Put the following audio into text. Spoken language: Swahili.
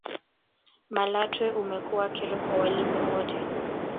malatwe umekuwa kero kwa walimu wote